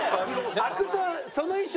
空くとその衣装